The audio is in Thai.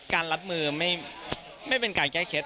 รับมือไม่เป็นการแก้เคล็ด